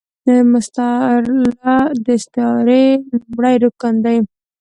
مستعارله د استعارې لومړی رکن دﺉ.